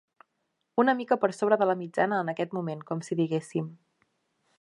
Una mica per sobre de la mitjana en aquest moment, com si diguéssim.